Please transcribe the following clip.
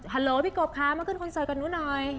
โหลพี่กบคะมาขึ้นคอนเสิร์ตกับหนูหน่อย